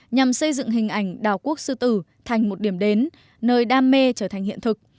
nhằm xây dựng hình ảnh đảo quốc sư tử thành một điểm đến nơi đam mê trở thành hiện thực